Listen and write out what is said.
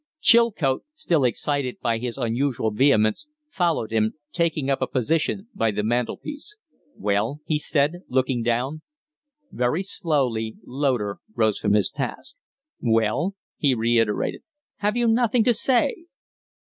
Chilcote, still excited by his unusual vehemence, followed him, taking up a position by the mantelpiece. "Well?" he said, looking down. Very slowly Loder rose from his task. "Well?" he reiterated. "Have you nothing to say?"